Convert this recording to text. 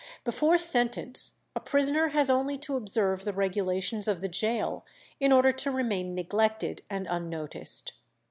Before sentence a prisoner has only to observe the regulations of the gaol in order to remain neglected and unnoticed.